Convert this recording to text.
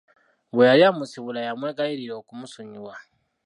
Bwe yali amusiibula yamwegayirira okumusonyiwa.